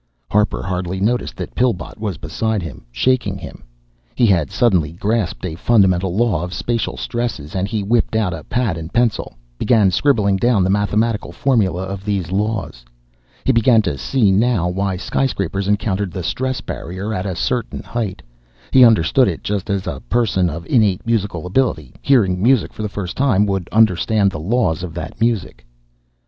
Harper hardly noticed that Pillbot was beside him, shaking him. He had suddenly grasped a fundamental law of spacial stresses, and he whipped out a pad and pencil, began scribbling down the mathematical formula of these laws. He began to see now why skyscrapers encountered the "stress barrier" at a certain height. He understood it just as a person of innate musical ability, hearing music for the first time, would understand the laws of that music.